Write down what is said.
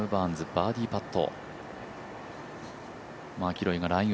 バーディーパット。